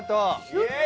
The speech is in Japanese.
イエイ！